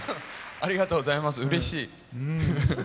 ありがとうございます、うれしい。